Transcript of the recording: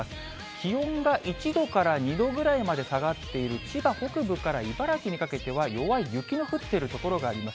気温が１度から２度ぐらいまで下がっている千葉北部から茨城にかけては、弱い雪の降っている所があります。